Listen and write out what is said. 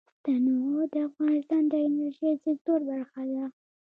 تنوع د افغانستان د انرژۍ سکتور برخه ده.